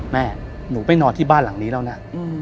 แม่หนูไปนอนที่บ้านหลังนี้แล้วนะ